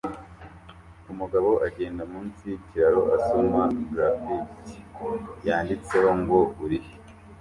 Umugabo agenda munsi yikiraro asoma grafitti yanditseho ngo "URI he?"